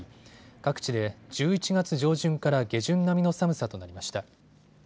各地で１１月上旬から下旬並みの寒さとなりました。